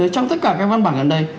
trong tất cả các văn bản gần đây